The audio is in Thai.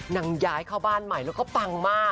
ย้ายเข้าบ้านใหม่แล้วก็ปังมาก